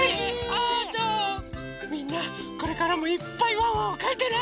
みんなこれからもいっぱいワンワンをかいてね！